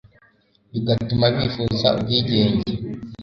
bigatuma bifuza ubwigenge